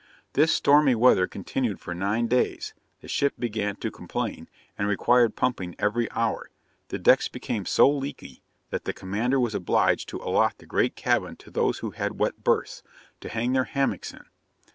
This stormy weather continued for nine days; the ship began to complain, and required pumping every hour; the decks became so leaky that the commander was obliged to allot the great cabin to those who had wet berths, to hang their hammocks in.